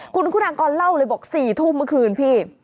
คุณคุณากรเล่าเลยบอก๔ทุ่มเมื่อคืนพี่